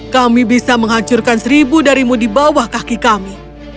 kami bisa menghancurkan seribu darimu di bawah kaki kami